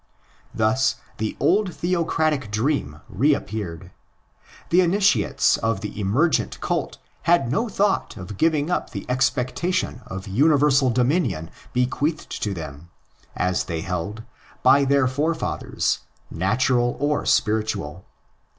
Thus the old theocratic dream reappeared. The initiates of the emergent cult had no thought of giving up the expec tation of universal dominion bequeathed to them, as they held, by their forefathers, natural or spiritual.